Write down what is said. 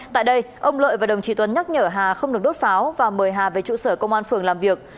tại đây ông lợi và đồng chí tuấn nhắc nhở hà không được đốt pháo và mời hà về trụ sở công an phường làm việc